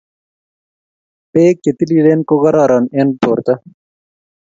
pek chetililen kokaroron eng porto